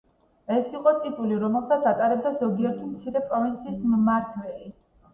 ეს იყო ტიტული, რომელსაც ატარებდა ზოგიერთი მცირე პროვინციის მმართველი.